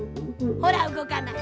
ほらうごかない。